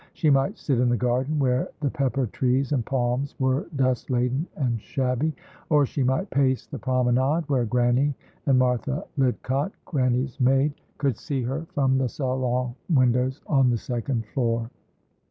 She might sit in the garden where the pepper trees and palms were dust laden and shabby; or she might pace the promenade, where Grannie and Martha Lidcott, Grannie's maid, could see her from the salon windows on the second floor.